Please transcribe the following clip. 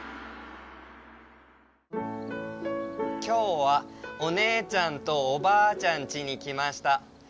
「きょうはおねえちゃんとおばあちゃんちにきました。